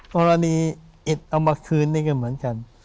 กรณีอิดเอามาคืนนี่ก็เหมือนกัน